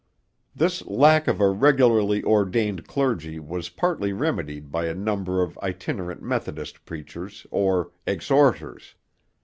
This lack of a regularly ordained clergy was partly remedied by a number of itinerant Methodist preachers or 'exhorters.'